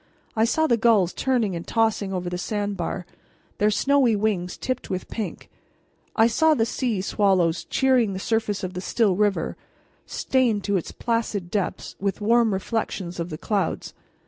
I saw the gulls turning and tossing above the sand bar, their snowy wings tipped with pink; I saw the sea swallows sheering the surface of the still river, stained to its placid depths with warm reflections of the clouds.